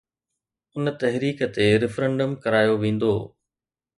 ان تحريڪ تي ريفرنڊم ڪرايو ويندو